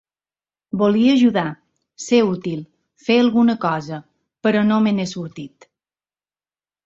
Volia ajudar, ser útil, fer alguna cosa, però no me n’he sortit.